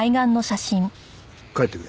帰ってくれ。